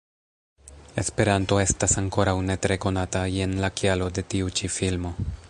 Esperanto estas ankoraŭ ne tre konata, jen la kialo de tiu ĉi filmo.